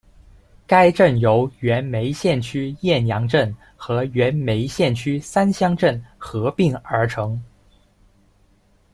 该镇由原梅县区雁洋镇和原梅县区三乡镇合并而成。